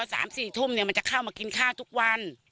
โเหตุสมพันฐาลักษณะค่ะ